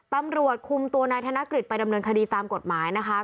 ตำรวจคุมตัวนายธนกฤษไปดำเนินคดีตามกฎหมายนะคะ